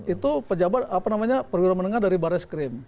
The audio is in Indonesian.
itu pejabat apa namanya perwira menengah dari baris krim